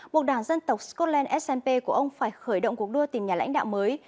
buộc đảng dân tộc scotland snp của ông phải khởi động cuộc đua tìm nhà lãnh đạo mới